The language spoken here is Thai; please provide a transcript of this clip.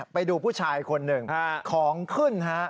ไปดูผู้ชายคนหนึ่งของขึ้นฮะ